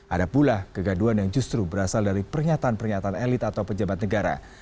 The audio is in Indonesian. ada pula kegaduan yang justru berasal dari pernyataan pernyataan elit atau pejabat negara